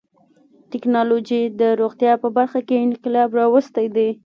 ټکنالوجي د روغتیا په برخه کې انقلاب راوستی دی.